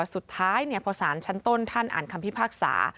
สุดท้ายพอสารชั้นต้นท่านอ่านคำพิพากษา